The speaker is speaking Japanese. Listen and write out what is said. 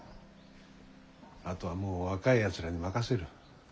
あとはもう若いやつらに任せる。